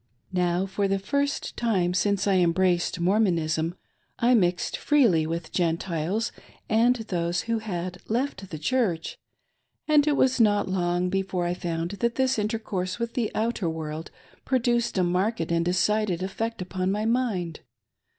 Now, for the first time since I embraced Mormonism, I mixed freely with Gentiles and those who had left the Church, and it was not long before I found that this intercourse with the outer world produced a marked and decided effect upon my mind.